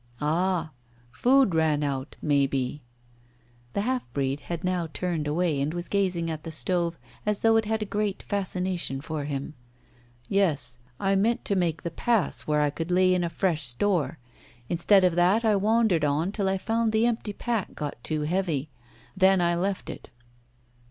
"Ah! Food ran out, maybe." The half breed had now turned away, and was gazing at the stove as though it had a great fascination for him. "Yes, I meant to make the Pass where I could lay in a fresh store. Instead of that I wandered on till I found the empty pack got too heavy, then I left it."